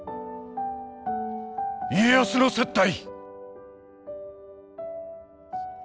家康の接待。